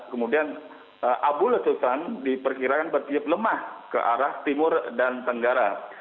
kemudian abu letusan diperkirakan bertiup lemah ke arah timur dan tenggara